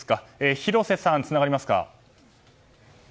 広瀬さん、つながりますか。